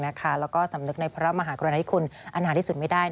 แล้วก็สำนึกในพระมหากรุณาธิคุณอันหาที่สุดไม่ได้